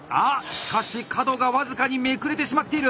しかし角が僅かにめくれてしまっている！